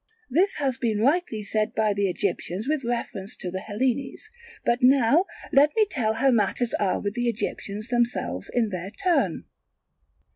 This has been rightly said by the Egyptians with reference to the Hellenes: but now let me tell how matters are with the Egyptians themselves in their turn.